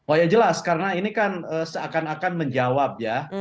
oh ya jelas karena ini kan seakan akan menjawab ya